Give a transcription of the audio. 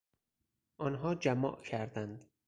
آنها جماع کردند.